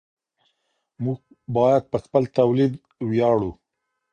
موږ باید په خپل تولید ویاړو.